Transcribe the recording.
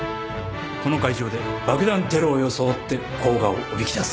この会場で爆弾テロを装って甲賀をおびき出す。